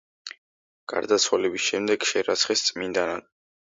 გარდაცვალების შემდეგ შერაცხეს წმინდანად.